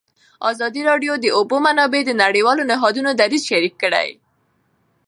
ازادي راډیو د د اوبو منابع د نړیوالو نهادونو دریځ شریک کړی.